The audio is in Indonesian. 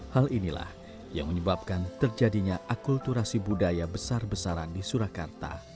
hal inilah yang menyebabkan terjadinya akulturasi budaya besar besaran di surakarta